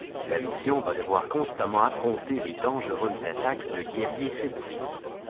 La mission va devoir constamment affronter les dangereuses attaques de guerriers celtiques…